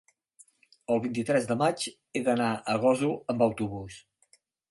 el vint-i-tres de maig he d'anar a Gósol amb autobús.